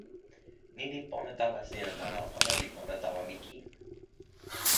ni li pona tawa sina la, ona li pona tawa mi kin.